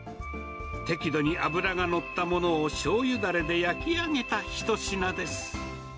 適度に脂が乗ったものをしょうゆだれで焼き上げた一品です。